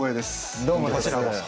どうもこちらこそ。